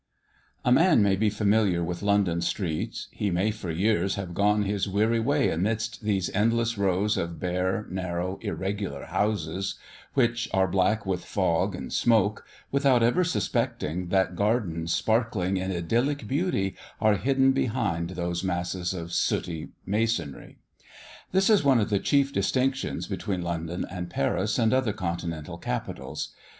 A man may be familiar with London streets, he may for years have gone his weary way amidst these endless rows of bare, narrow, irregular houses, which are black with fog and smoke, without ever suspecting that gardens sparkling in idyllic beauty are hidden behind those masses of sooty masonry. This is one of the chief distinctions between London and Paris and other continental capitals.